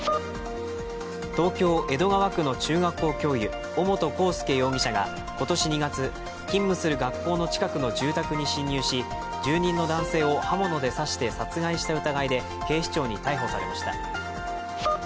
東京・江戸川区の中学校教諭、尾本幸祐容疑者が今年２月、勤務する学校の近くの住宅に侵入し住人の男性を刃物で刺して殺害した疑いで警視庁に逮捕されました。